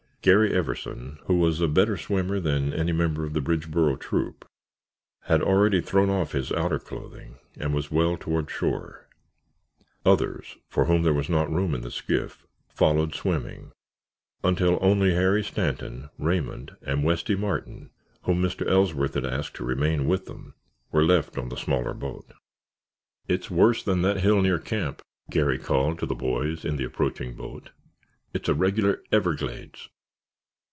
Garry Everson, who was a better swimmer than any member of the Bridgeboro troop, had already thrown off his outer clothing and was well toward shore. Others, for whom there was not room in the skiff, followed swimming, until only Harry Stanton, Raymond, and Westy Martin whom Mr. Ellsworth had asked to remain with them, were left on the smaller boat. "It's worse than that hill near camp," Garry called to the boys in the approaching boat. "It's a regular everglades."